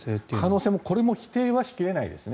可能性も否定はしきれないですね。